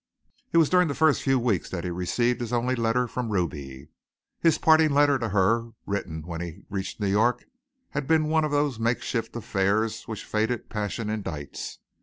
It was during the first few weeks that he received his only letter from Ruby. His parting letter to her, written when he reached New York, had been one of those makeshift affairs which faded passion indites.